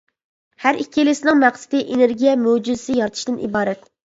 ھەر ئىككىلىسىنىڭ مەقسىتى ئېنېرگىيە مۆجىزىسى يارىتىشتىن ئىبارەت.